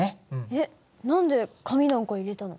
えっ何で紙なんか入れたの？